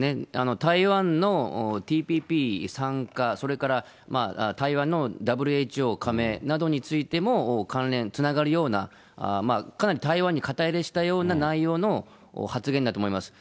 台湾のＴＰＰ参加、それから台湾のＷＨＯ加盟などについても、関連、つながるような、かなり台湾に肩入れしたような内容の発言だと思います。